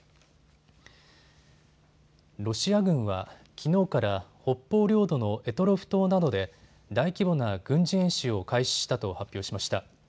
ロシア軍は、きのうから北方領土の択捉島などで大規模な軍事演習を開始したと発表しました。